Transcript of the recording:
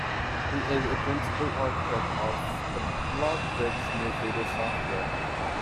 He is a principal architect of the BlogBridge Newsreader software.